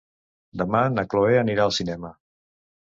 Demà na Chloé anirà al cinema.